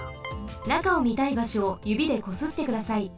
なかをみたいばしょをゆびでこすってください。